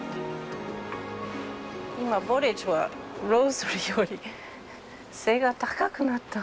今ボリジはローズマリーより背が高くなった。